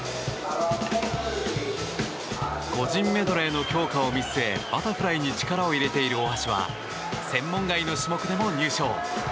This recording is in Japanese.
個人メドレーの強化を見据えバタフライに力を入れている大橋は専門外の種目でも入賞。